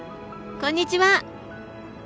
こんにちは。